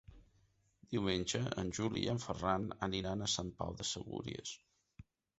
Diumenge en Juli i en Ferran aniran a Sant Pau de Segúries.